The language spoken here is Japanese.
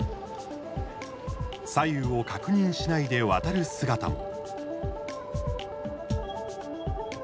左右を確認しないで渡る姿も。